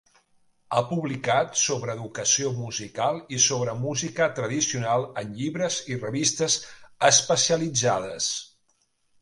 Ha publicat sobre educació musical i sobre música tradicional en llibres i revistes especialitzades.